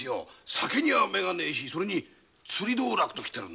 酒には目がねぇしそれに釣り道楽で。